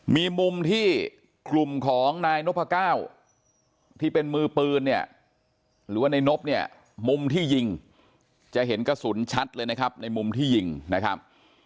มีมุมที่กลุ่มของนายนพก้าวที่เป็นมือปืนเนี่ยหรือว่าในนบเนี่ยมุมที่ยิงจะเห็นกระสุนชัดเลยนะครับในมุมที่ยิงนะครับ